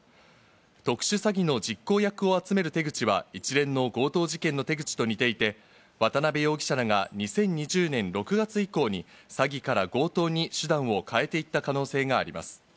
特殊詐欺の実行役を集める手口は一連の強盗事件の手口と似ていて、渡辺容疑者らが２０２０年６月以降に詐欺から強盗に手段を変えていった可能性があります。